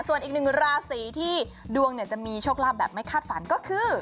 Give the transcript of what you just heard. ส่วนอีกหนึ่งราศีที่ดวงจะมีโชคลาภแบบไม่คาดฝันก็คือ